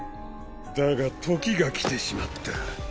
だが時が来てしまった。